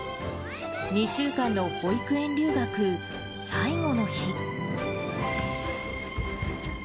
２週間の保育園留学、最後の日。